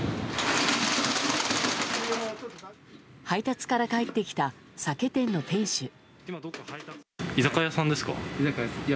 配達から帰ってきた酒店の店主。